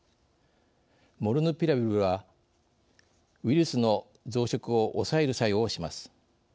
モルヌピラビルはウイルスの増殖を抑える作用をします。